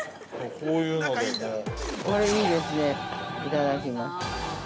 ◆これいいですね、いただきます。